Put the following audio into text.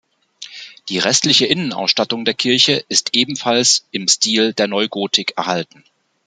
Die restliche Innenausstattung der Kirche ist ebenfalls im Stil der Neugotik erhalten.